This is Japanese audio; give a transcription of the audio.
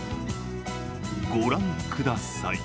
ご覧ください。